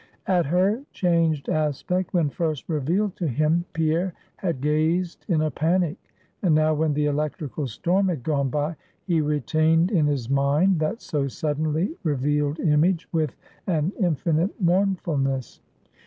At her changed aspect, when first revealed to him, Pierre had gazed in a panic; and now, when the electrical storm had gone by, he retained in his mind, that so suddenly revealed image, with an infinite mournfulness.